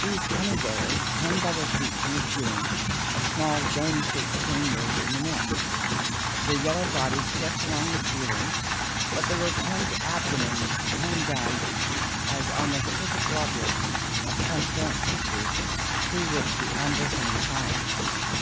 "These honey bearers hang by their feet from the ceiling of small dome shaped chambers in the nest; their yellow bodies stretch along the ceiling, but 260 » ORGANIC EVOLUTION the rotund abdomens hang down as almost perfect globules of trans parent tissues through which the amber honey shines.